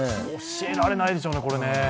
教えられないでしょうね